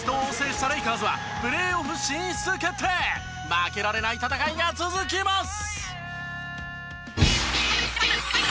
負けられない戦いが続きます！